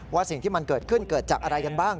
สิ่งที่มันเกิดขึ้นเกิดจากอะไรกันบ้าง